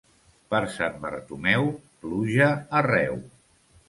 Per Sant Bartomeu, pluja arreu.